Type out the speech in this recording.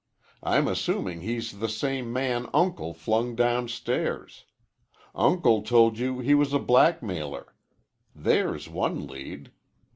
I'm assuming he's the same man Uncle flung downstairs. Uncle told you he was a black mailer. There's one lead.